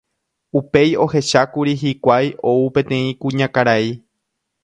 Upéi ohechákuri hikuái ou peteĩ kuñakarai